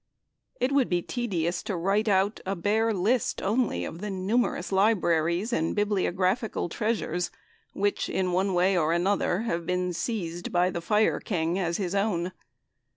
It would be tedious to write out a bare list only of the numerous libraries and bibliographical treasures which, in one way or another, have been seized by the Fire king as his own.